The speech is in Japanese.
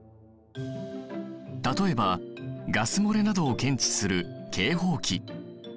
例えばガス漏れなどを検知する警報器。